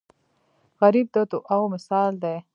غریب د دعاو مثال دی